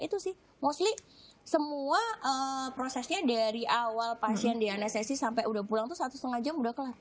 itu sih mostly semua prosesnya dari awal pasien dianesesi sampai udah pulang tuh satu setengah jam udah kelar